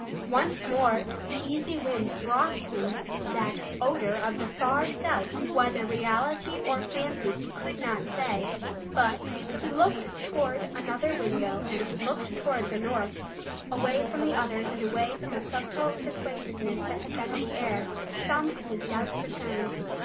Once more the easy wind brought him that odor of the far south, whether reality or fancy he could not say. But he turned to another window and looked toward the north. Away from the others and away from a subtle persuasiveness that had been in the air, some of his doubts returned.